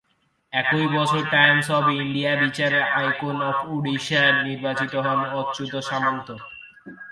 একই বছরে Times of ইন্ডিয়ার বিচারে ‘আইকন অব ওডিশা’ নির্বাচিত হন অচ্যুত সামন্ত।